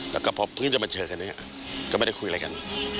แล้วก็พอเพิ่งจะมาเจอกันเนี่ยก็ไม่ได้คุยอะไรกัน